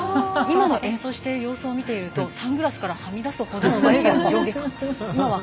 今の演奏してる様子を見ているとサングラスからはみ出すほどの眉毛の上下が。